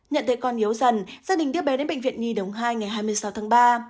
nhận thấy con yếu dần gia đình đưa bé đến bệnh viện nhi đồng hai ngày hai mươi sáu tháng ba